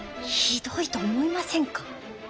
ひどいと思いませんか？